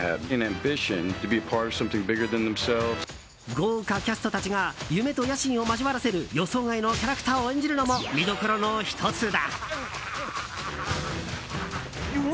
豪華キャストたちが夢と野心を交わらせる予想外のキャラクターを演じるのも見どころの１つだ。